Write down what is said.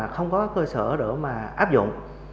không có cơ sở để mà áp dụng